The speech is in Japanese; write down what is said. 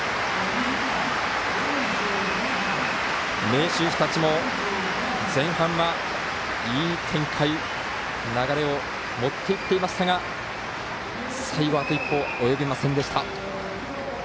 明秀日立も前半は、いい展開流れを持っていっていましたが最後、あと一歩及びませんでした。